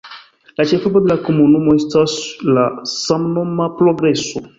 La ĉefurbo de la komunumo estas la samnoma Progreso.